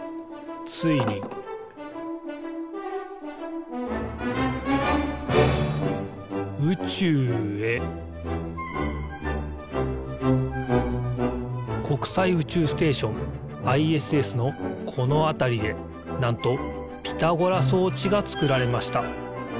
ついに宇宙へ国際宇宙ステーションＩＳＳのこのあたりでなんとピタゴラそうちがつくられました。